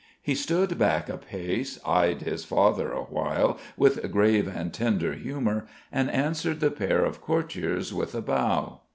He stood back a pace, eyed his father awhile with grave and tender humour, and answered the pair of courtiers with a bow.